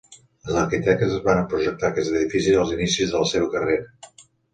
Els arquitectes varen projectar aquest edifici als inicis de la seva carrera.